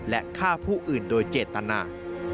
และฆ่าผู้อื่นโดยเจตนา